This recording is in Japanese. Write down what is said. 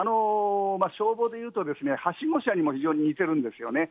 消防でいうと、はしご車にも非常に似てるんですよね。